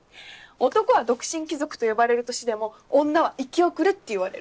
男は「独身貴族」と呼ばれる年でも女は「生き遅れ」って言われる。